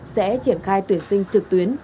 sẽ triển khai tuyển sinh trực tuyến